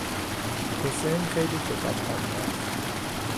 حسین خیلی کتاب خوانده است.